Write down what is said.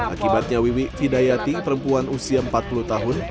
akibatnya wiwi fidayati perempuan usia empat puluh tahun